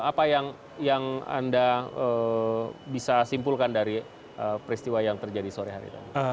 apa yang anda bisa simpulkan dari peristiwa yang terjadi sore hari tadi